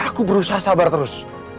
aku berusaha sabar terus